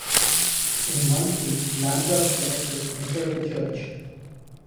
In one scene, Lanza's character enters a church.